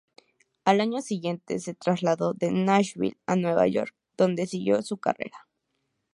Al año siguiente, se trasladó de Nashville a Nueva York, donde siguió su carrera.